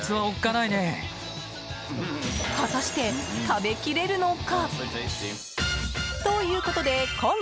果たして食べきれるのか。